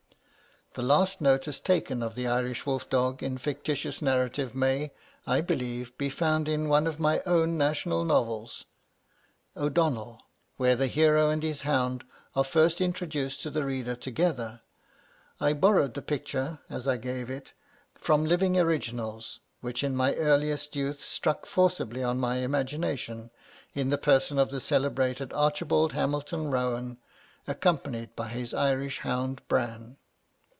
The last notice taken of the Irish wolf dog in fictitious narrative may, I believe, be found in one of my own national novels, 'O'Donnel,' where the hero and his hound are first introduced to the reader together. I borrowed the picture, as I gave it, from living originals, which in my earliest youth struck forcibly on my imagination, in the person of the celebrated Archibald Hamilton Rowan, accompanied by his Irish hound Bran!